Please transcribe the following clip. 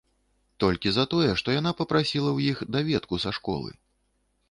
Толькі за тое, што яна папрасіла ў іх даведку са школы.